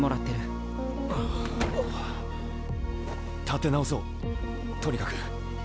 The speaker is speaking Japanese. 立て直そうとにかく。